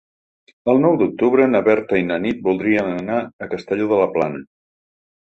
El nou d'octubre na Berta i na Nit voldrien anar a Castelló de la Plana.